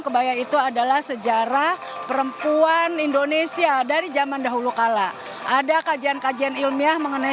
kebaya itu adalah sejarah perempuan indonesia dari zaman dahulu kala ada kajian kajian ilmiah mengenai